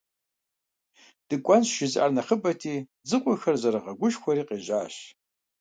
«ДыкӀуэнщ» жызыӀэр нэхъыбэти, дзыгъуэхэр зэрыгъэгушхуэри къежьащ.